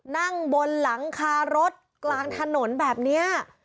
นั่งบนหลังคารถกลางถนนแบบนี้